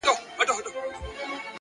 نظم د ګډوډ ژوند تارونه سره نښلوي،